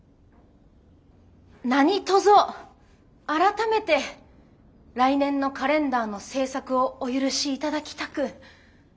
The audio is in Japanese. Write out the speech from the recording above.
何とぞ改めて来年のカレンダーの制作をお許し頂きたく。